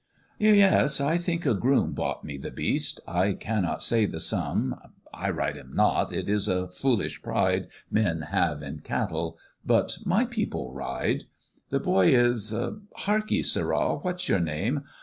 "Yes! I think a groom Bought me the beast; I cannot say the sum I ride him not; it is a foolish pride Men have in cattle but my people ride; The boy is hark ye, sirrah! what's your name?